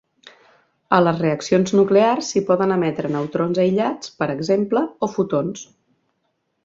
A les reaccions nuclears s'hi poden emetre neutrons aïllats, per exemple, o fotons.